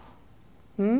うん？